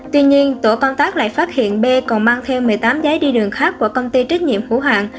tuy nhiên tổ công tác lại phát hiện b còn mang theo một mươi tám giấy đi đường khác của công ty trách nhiệm hữu hạng